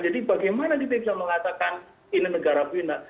jadi bagaimana dipegang mengatakan ini negara final